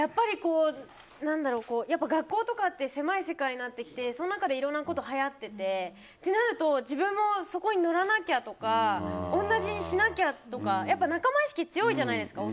やっぱり、学校とかって狭い世界になってきてその中でいろんなことがはやってて、ってなると自分もそこにのらなきゃとか同じにしなきゃとか仲間意識が強いじゃないですか。